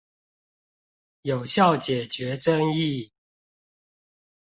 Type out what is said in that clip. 有效解決爭議